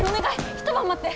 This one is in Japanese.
一晩待って！